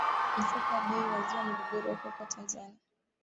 Mfumuko wa Bei wazua mgogoro huko Tanzania.